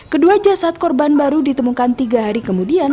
kedua jasad korban baru ditemukan tiga hari kemudian